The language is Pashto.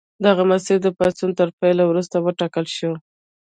دغه مسیر د پاڅون تر پیل وروسته وټاکل شو.